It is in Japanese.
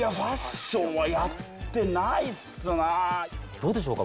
どうでしょうか？